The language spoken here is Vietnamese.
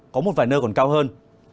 có một vài nơi còn cao hơn